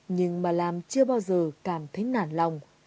nhưng mà lam chưa bao giờ cảm thấy nản lòng